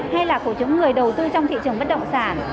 hay là của những người đầu tư trong thị trường bất động sản